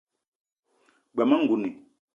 G-beu ma ngouni